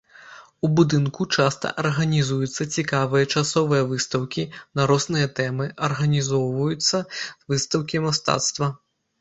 У будынку часта арганізуюцца цікавыя часовыя выстаўкі на розныя тэмы, арганізоўваюцца выстаўкі мастацтва.